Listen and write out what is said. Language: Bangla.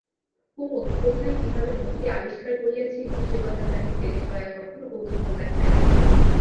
কুমুদ কোথায় কীভাবে মতিকে আবিষ্কার করিয়াছিল সেকথা জানিতে জয়া কখনো কৌতুহল দেখায় নাই।